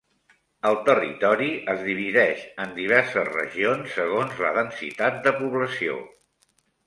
El territori es divideix en diverses regions segons la densitat de població.